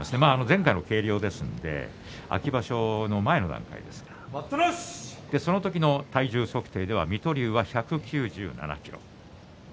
前回の計量ですので秋場所の前の段階ですがその時の体重測定では水戸龍は１９７ｋｇ。